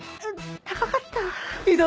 高かった。